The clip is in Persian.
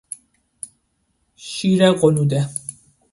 شیر غنوده